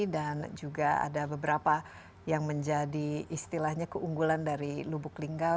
dan juga ada beberapa yang menjadi istilahnya keunggulan dari lubuk lingga